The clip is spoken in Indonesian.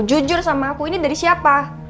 jujur sama aku ini dari siapa